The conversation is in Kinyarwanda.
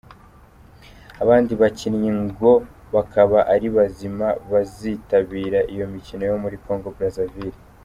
Abandi bakinnyi bo ngo bakaba ari bazima bazitabira iyo mikino yo muri Congo-Brazazaville.